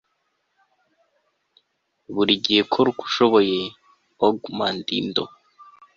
buri gihe kora uko ushoboye. - og mandino